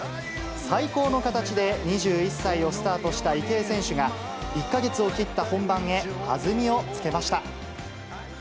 最高の形で２１歳をスタートした池江選手が、１か月を切った本番へ弾みをつけました。